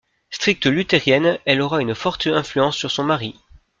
Stricte luthérienne, elle aura une forte influence sur son mari.